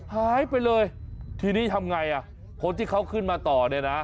หายไปเลยทีนี้ทำไงอ่ะคนที่เขาขึ้นมาต่อเนี่ยนะ